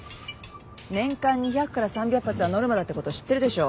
年間２００から３００発はノルマだってこと知ってるでしょ？